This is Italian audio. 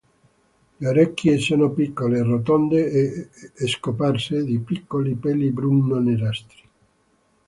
Le orecchie sono piccole, rotonde e cosparse di piccoli peli bruno-nerastri.